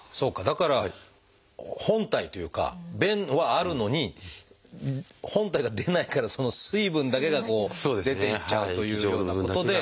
だから本体というか便はあるのに本体が出ないからその水分だけがこう出て行っちゃうということで。